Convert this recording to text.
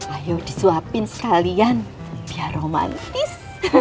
ayo disuapin sekalian biar romantis